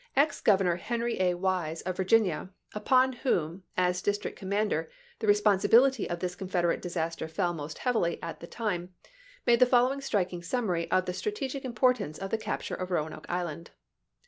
Ex Governor Henry Nov. 2,1860! A. Wise, of Virginia, upon whom, as district com mander, the responsibility of this Confederate disaster fell most heavily at the time, made the following striking summary of the strategic im portance of the capture of Roanoke Island.